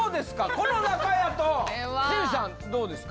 この中やと新内さんどうですか？